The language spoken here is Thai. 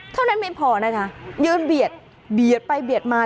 เท่านั้นไม่พอนะคะยืนเบียดเบียดไปเบียดมา